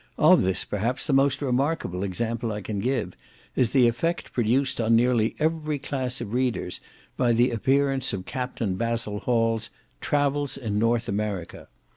Of this, perhaps, the most remarkable example I can give, is the effect produced on nearly every class of readers by the appearance of Captain Basil Hall's "Travels in North America."